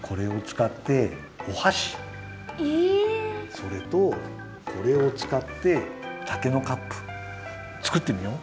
それとこれをつかって竹のカップ作ってみよう！